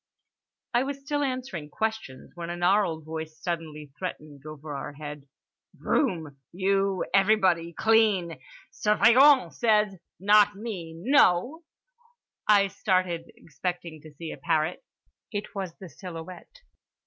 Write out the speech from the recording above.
I was still answering questions, when a gnarled voice suddenly threatened, over our head: "Broom? You. Everybody. Clean. Surveillant says. Not me, no?"—I started, expecting to see a parrot. It was the silhouette.